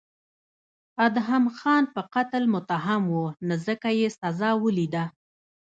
ادهم خان په قتل متهم و نو ځکه یې سزا ولیده.